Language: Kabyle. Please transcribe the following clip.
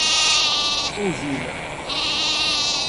Ugin.